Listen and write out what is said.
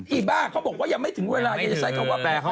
อีบ้าเขาบอกว่ายังไม่ถึงเวลายังใช้คำว่าเป็นแฟนกัน